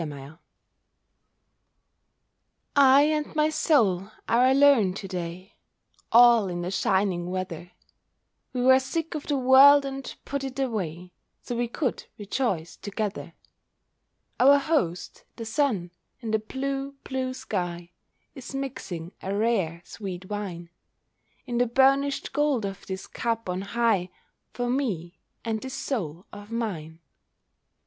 COMRADES I and my Soul are alone to day, All in the shining weather; We were sick of the world, and put it away, So we could rejoice together. Our host, the Sun, in the blue, blue sky Is mixing a rare, sweet wine, In the burnished gold of this cup on high, For me, and this Soul of mine.